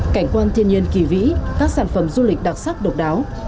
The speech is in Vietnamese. cảnh quan thiên nhiên kỳ vĩ các sản phẩm du lịch đặc sắc độc đáo